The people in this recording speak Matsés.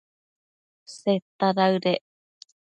Seta daëdec